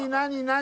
何？